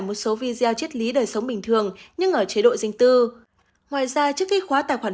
một số video chết lý đời sống bình thường nhưng ở chế độ dinh tư ngoài ra trước khi khóa tài khoản